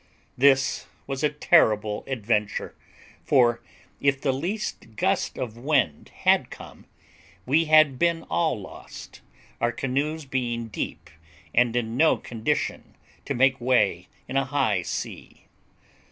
This was a terrible adventure, for, if the least gust of wind had come, we had been all lost, our canoes being deep and in no condition to make way in a high sea.